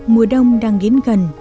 mùa đông đang đến gần